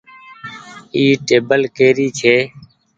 اي ٽيبل ڪري ڇي ۔